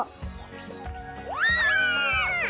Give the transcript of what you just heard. うわ！